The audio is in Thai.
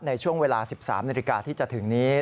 ในช่วงเวลา๑๓นาฬิกาที่จะถึงนี้